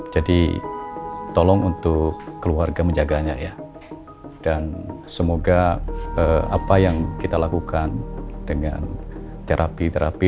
jadi tolong untuk keluarga menjaganya ya dan semoga apa yang kita lakukan dengan terapi terapi